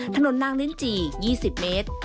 นางลิ้นจี่๒๐เมตร